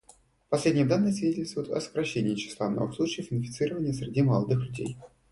Последние данные свидетельствуют о сокращении числа новых случаев инфицирования среди молодых людей.